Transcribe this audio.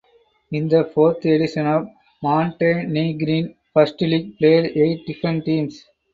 In the fourth edition of Montenegrin First League played eight different teams.